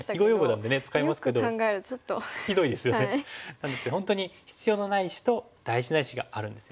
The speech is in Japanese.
なんですけど本当に必要のない石と大事な石があるんですよね。